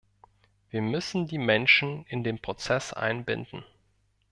Wir müssen die Menschen in den Prozess einbinden.